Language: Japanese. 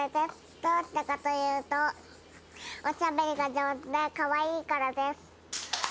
どうしてかというと、おしゃべりが上手でかわいいからです。